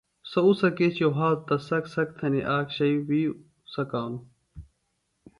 سوۡ سےۡ اُڅہ کیچیۡ وھاتوۡ تہ څک څک تھنی آک شئیۡ وِی څکانوۡ